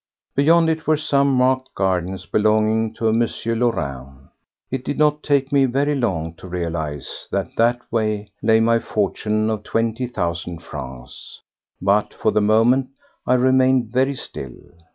Beyond it were some market gardens belonging to a M. Lorraine. It did not take me very long to realize that that way lay my fortune of twenty thousand francs. But for the moment I remained very still.